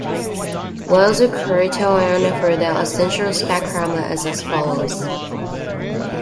"Weyl's criterion" for the essential spectrum is as follows.